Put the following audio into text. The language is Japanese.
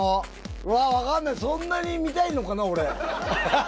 うわっ、分かんない、そんなに見たいのかな、俺。